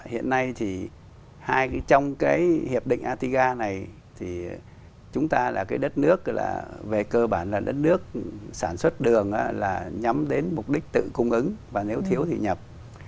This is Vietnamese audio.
hiện nay trong hiệp định atiga này chúng ta là đất nước về cơ bản là đất nước sản xuất đường nhắm đến mục đích tự cung ứng và nếu thiếu thì nhập